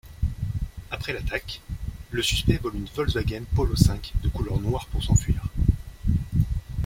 Après l'attaque, le suspect vole une Volkswagen Polo V de couleur noire pour s'enfuir.